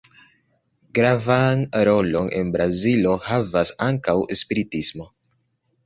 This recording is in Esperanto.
Gravan rolon en Brazilo havas ankaŭ spiritismo.